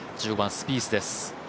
１０番、スピースです。